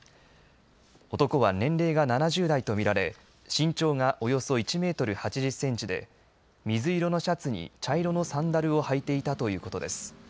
男は年齢が７０代と見られ身長がおよそ１メートル８０センチで水色のシャツに茶色のサンダルを履いていたということです。